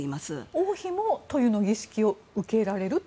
王妃の塗油の儀式を受けられると？